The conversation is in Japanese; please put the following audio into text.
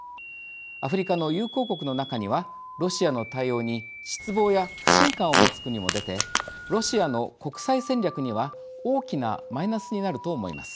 アフリカの友好国の中にはロシアの対応に失望や不信感を持つ国も出てロシアの国際戦略には大きなマイナスになると思います。